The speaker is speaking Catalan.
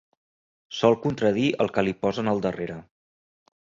Sol contradir el que li posen al darrere.